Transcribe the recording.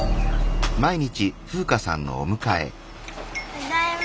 ただいま。